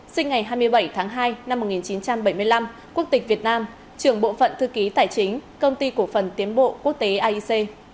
sinh ngày hai mươi bảy tháng hai năm một nghìn chín trăm bảy mươi năm quốc tịch việt nam trưởng bộ phận thư ký tài chính công ty cổ phần tiến bộ quốc tế aic